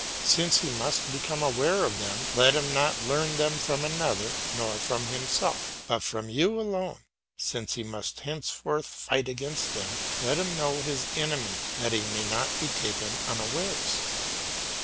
Since he must become aware of them, let him not learn them from another, nor from himself, but from you alone; since he must henceforth fight against them, let him know his enemy, that he may not be taken unawares.